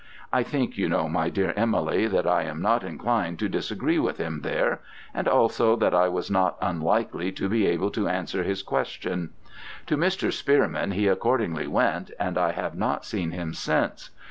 I think you know, my dear Emily, that I am not inclined to disagree with him there, and also that I was not unlikely to be able to answer his question. To Mr. Spearman he accordingly went, and I have not seen him since.